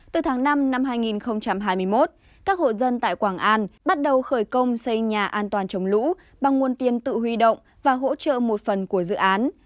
từ tháng năm năm hai nghìn hai mươi một các hộ dân tại quảng an bắt đầu khởi công xây nhà an toàn chống lũ bằng nguồn tiền tự huy động và hỗ trợ một phần của dự án